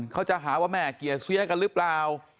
เขาจะหาว่าแม่เกลียดเสียกันหรือเปล่า